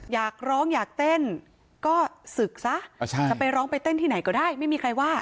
อยากร้องอยากเต้นก็ศึกซะจะไปร้องไปเต้นที่ไหนก็ได้ไม่มีใครว่า